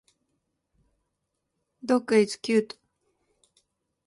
Dog is cute.